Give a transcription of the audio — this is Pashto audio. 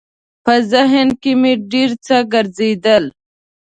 په ذهن کې مې ډېر څه ګرځېدل.